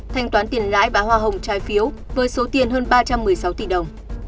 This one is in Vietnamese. thanh toán tiền lãi và hoa hồng trái phiếu với số tiền hơn ba trăm một mươi sáu tỷ đồng